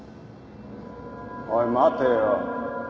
おい待てよ。